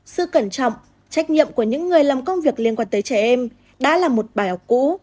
sự cẩn trọng trách nhiệm của những người làm công việc liên quan tới trẻ em đã là một bài học cũ